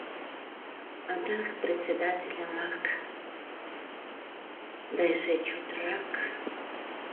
Адак председательым ак, да эше чотрак...